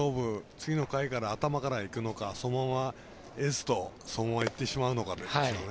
次の回から頭からいくのかそのままエースといってしまうかですよね。